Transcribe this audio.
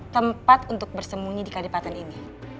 tempat untuk bersemunyi di kadipaten ini